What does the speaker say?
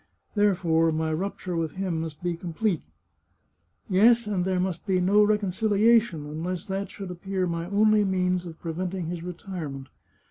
Therefore my rupture with him must be complete. Yes, and there must be no recon ciliation unless that should appear my only means of pre venting his retirement.